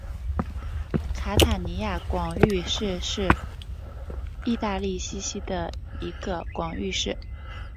卡塔尼亚广域市是意大利西西里的一个广域市。